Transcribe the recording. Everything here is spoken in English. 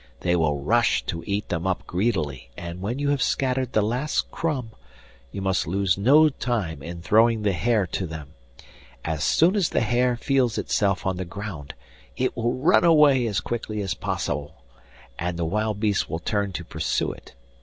They will rush to eat them up greedily, and when you have scattered the last crumb you must lose no time in throwing the hare to them; as soon as the hare feels itself on the ground it will run away as quickly as possible, and the wild beasts will turn to pursue it.